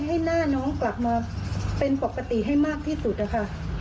ให้หน้าน้องกลับมาเป็นปกติให้มากที่สุดนะคะ